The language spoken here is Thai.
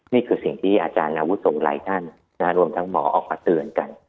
นี่คือสิ่งที่อาจารย์อาวุทรงหลายท่านรวมทั้งหมอออกมาเตือนกัน